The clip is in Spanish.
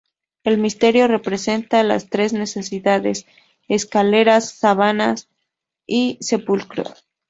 El misterio representa las Tres Necesidades –escaleras, sábanas y sepulcro-.